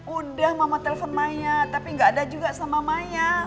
udah mama telepon maya tapi gak ada juga sama maya